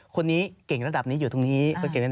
คนนี้เก่งระดับนี้อยู่ตรงนี้